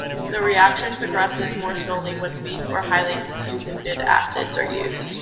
The reaction progresses more slowly when weak or highly diluted acids are used.